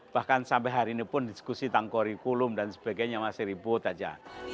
bahkan sampai hari ini pun diskusi tentang kurikulum dan sebagainya masih ribut saja